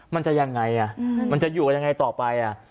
มันจะอย่างไรมันจะอยู่อย่างไรต่อไป